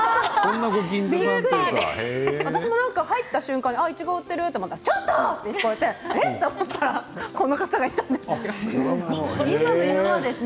私も入った瞬間にいちごを売ってると思ったらちょっと−！と言われてえ！っと思ったらこの方がいたんです。